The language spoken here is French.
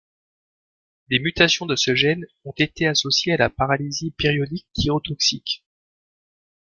Des mutations de ce gène ont été associées à la paralysie périodique thyrotoxique.